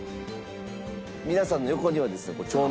皆さんの横にはですね。